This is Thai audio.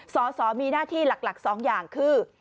สอสอมีหน้าที่หลัก๒อย่างคือ